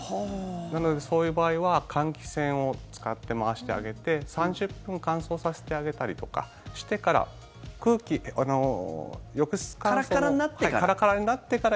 なので、そういう場合は換気扇を使って回してあげて３０分乾燥させてあげたりとかしてからカラカラになってから？